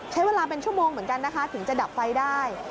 ใช้เวลาเป็นชั่วโมงเหมือนกันนะคะถึงจะดับไฟได้